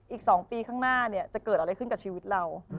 อีก๒ปีข้างหน้าจะเกิดอะไรขึ้นกับชีวิตเรา